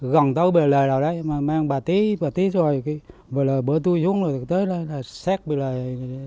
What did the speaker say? gần tối bề lời rồi đấy mà mang bà tí rồi bởi lời bữa tui xuống rồi tới là xét bề lời